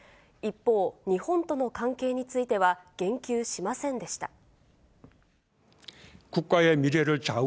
一方、日本との関係については、言及しませんでした。